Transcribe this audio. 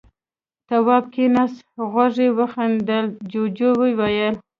تواب کېناست. غوږ يې وتخڼېد. جُوجُو وويل: